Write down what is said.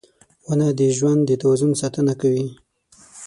• ونه د ژوند د توازن ساتنه کوي.